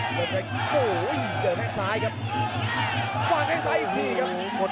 กระโดยสิ้งเล็กนี่ออกกันขาสันเหมือนกันครับ